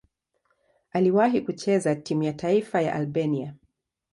Aliwahi kucheza timu ya taifa ya Albania.